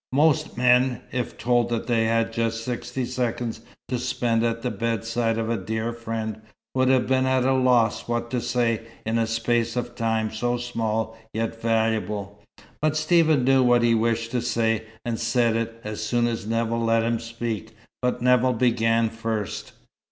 Most men, if told that they had just sixty seconds to spend at the bedside of a dear friend, would have been at a loss what to say in a space of time so small yet valuable. But Stephen knew what he wished to say, and said it, as soon as Nevill let him speak; but Nevill began first.